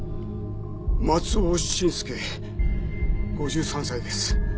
松尾慎介５３歳です。